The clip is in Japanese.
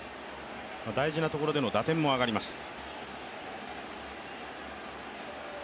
大事なところでの打点も上がりました。